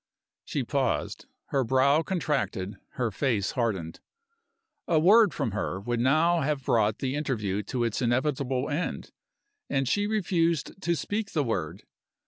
She paused. Her brow contracted; her face hardened. A word from her would now have brought the interview to its inevitable end, and she refused to speak the word.